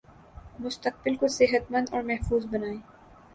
مستقبل کو صحت مند اور محفوظ بنائیں